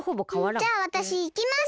じゃあわたしいきます。